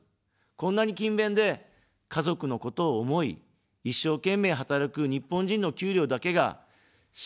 こんなに勤勉で、家族のことを思い、一生懸命働く日本人の給料だけが四半世紀も下がり続ける。